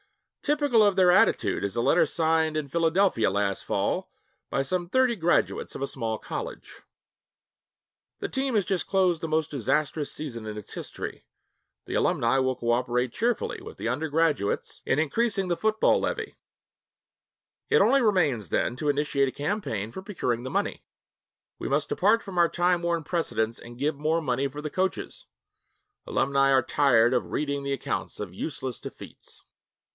Typical of their attitude is a letter signed in Philadelphia last fall by some thirty graduates of a small college: 'The team has just closed the most disastrous season in its history.... The alumni will coöperate cheerfully with the undergraduates in increasing the football levy. It only remains, then, to initiate a campaign for procuring the money.... We must depart from our time worn precedents and give more money for the coaches! Alumni are tired of reading the accounts of useless defeats!'